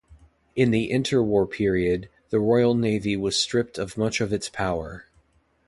In the inter-war period, the Royal Navy was stripped of much of its power.